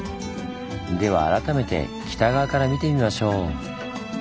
では改めて北側から見てみましょう。